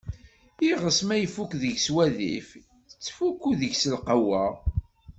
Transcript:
Iɣes ma ifukk deg-s wadif, tettfukku deg-s lqewwa.